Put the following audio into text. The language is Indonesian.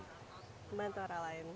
membantu orang lain